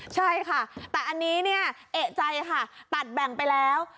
ใช่ค่ะแต่อันนี้เนี่ยเอกใจค่ะตัดแบ่งไปแล้ว